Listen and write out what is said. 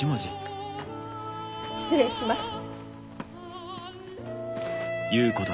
失礼します。